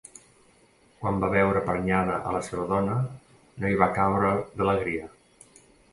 Quan va veure prenyada a la seva dona, no hi va cabre d'alegria.